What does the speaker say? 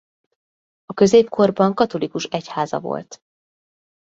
A középkorban katolikus egyháza volt.